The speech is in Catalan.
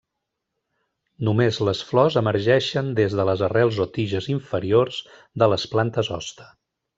Només les flors emergeixen des de les arrels o tiges inferiors de les plantes hoste.